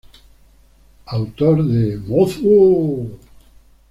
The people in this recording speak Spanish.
Autor de "¡Mozo!